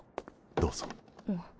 どうぞ。